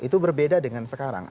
itu berbeda dengan sekarang